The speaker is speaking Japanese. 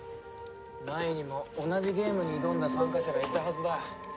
前にも同じゲームに挑んだ参加者がいたはずだ。